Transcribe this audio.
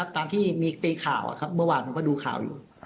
ตามที่มีเป็นข่าวครับเมื่อวานผมก็ดูข่าวอยู่